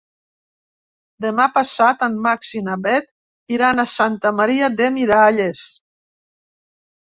Demà passat en Max i na Bet iran a Santa Maria de Miralles.